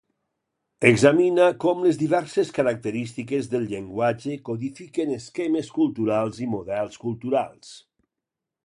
Examina com les diverses característiques del llenguatge codifiquen esquemes culturals i models culturals.